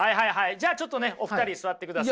じゃあちょっとねお二人座ってください。